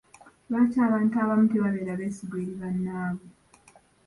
Lwaki abantu abamu tebabeera beesigwa eri bannaabwe?